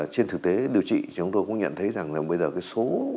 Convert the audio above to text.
trên thực tế điều trị chúng tôi cũng nhận thấy rằng là bây giờ cái số